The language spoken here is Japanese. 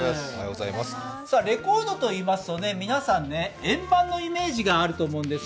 レコードといいますと、皆さん円盤のイメージがあると思うんです。